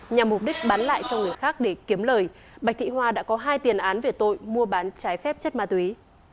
nhằm mục đích bán lại cho người khác để kiếm lời bạch thị hoa đã có hai tiền án về tội mua bán trái phép chất ma túy